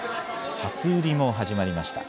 初売りも始まりました。